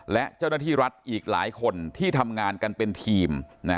และเจ้าหน้าที่รัฐอีกหลายคนที่ทำงานกันเป็นทีม